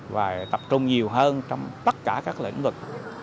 và tập trung nhiều hơn trong tất cả các lĩnh vực